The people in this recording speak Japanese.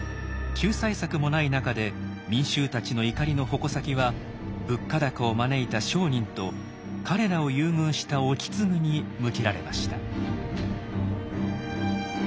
救済策もない中で民衆たちの怒りの矛先は物価高を招いた商人と彼らを優遇した意次に向けられました。